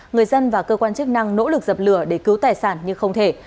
người dân và cơ quan chức năng nỗ lực dập lửa để cứu tài sản nhưng không thể